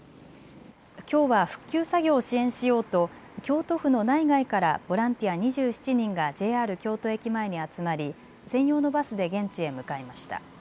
きょうは復旧作業を支援しようと京都府の内外からボランティア２７人がＪＲ京都駅前に集まり専用のバスで現地へ向かいました。